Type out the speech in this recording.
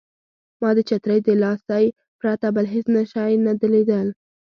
ما د چترۍ د لاسۍ پرته بل هېڅ شی نه لیدل.